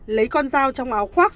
lấy con dao trong áo khoác